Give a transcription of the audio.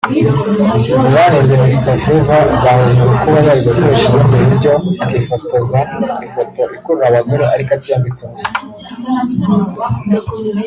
Mu banenze Mr Flavour bahurije ku kuba yari gukoresha ubundi buryo akifotoza ifoto ikurura abagore ariko atiyambitse ubusa